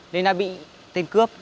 nên đã bị tên cướp